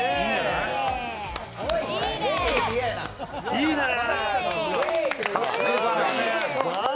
いいね。